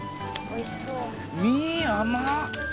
身甘っ。